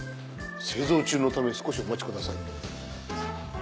「製造中の為少しお待ち下さい」。